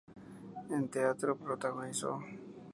En teatro protagonizó